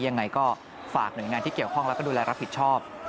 ยังไงก็ฝากหน่วยงานที่เกี่ยวข้องแล้วก็ดูแลรับผิดชอบ